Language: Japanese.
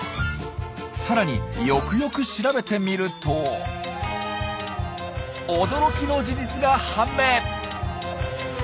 さらによくよく調べてみると驚きの事実が判明！